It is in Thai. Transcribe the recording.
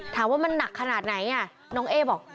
ถามว่ามันหนักขนาดไหนน้องเอ๊บอก